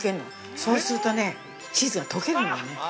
そうするとね、チーズが溶けるのよね。